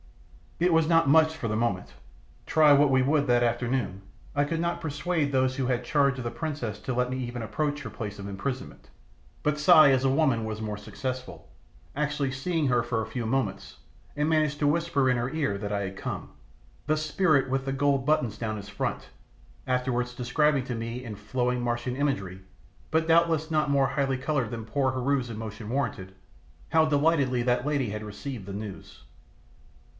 It was not much for the moment. Try what we would that afternoon, I could not persuade those who had charge of the princess to let me even approach her place of imprisonment, but Si, as a woman, was more successful, actually seeing her for a few moments, and managed to whisper in her ear that I had come, the Spirit with the gold buttons down his front, afterwards describing to me in flowing Martian imagery but doubtless not more highly coloured than poor Heru's emotion warranted how delightedly that lady had received the news.